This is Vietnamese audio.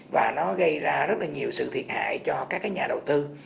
và nó gây ra rất là nhiều sự thiệt hại cho các cái nhà đầu tư